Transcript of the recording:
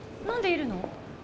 何でいるの？